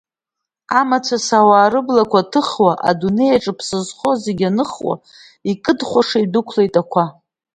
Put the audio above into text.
Амацәыс ауаа рыблақәа ҭыхуа, адунеиаҿ ԥсы зхоу зегь аныхуа, икыдхәаша идәықәлап ақәа.